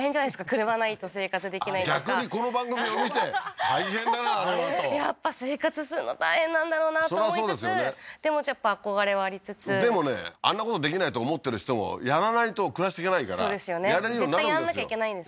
車ないと生活できない逆にこの番組を見て大変だなあれはとやっぱ生活するの大変なんだろうなと思いつつでもやっぱ憧れはありつつでもねあんなことできないと思ってる人もやらないと暮らしていけないからやれるようになるんですよ